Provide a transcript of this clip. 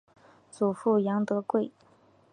祖父杨德贵。